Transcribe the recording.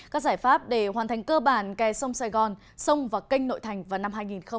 các giải pháp để hoàn thành cơ bản kè sông sài gòn sông và canh nội thành vào năm hai nghìn hai mươi